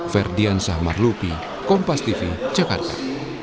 ferdiansah marlupi kompas tv jakarta